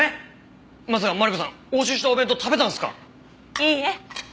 いいえ。